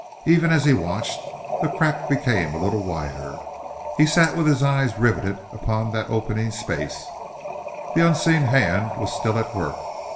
Even as he watched, the crack became a little wider. He sat with his eyes riveted upon that opening space. The unseen hand was still at work.